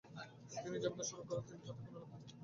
তিনি জেনধ্যান শুরু করেন কিন্তু তাতে কোনো লাভ হয়না।